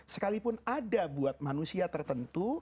sekalipun ada buat manusia tertentu